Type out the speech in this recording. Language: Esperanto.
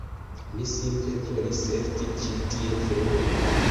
Ni simple volis esti ĉi tie frue